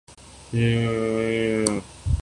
میں Bill Gates کی مثال دیتا ہوں۔